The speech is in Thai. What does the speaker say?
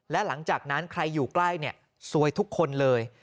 และหลังจากนั้นใครอยู่ใกล้ซวยทุกคนเลย